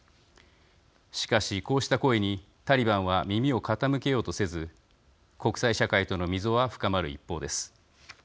しかしこうした声にタリバンは耳を傾けようとせず国際社会との溝は深まる一方です。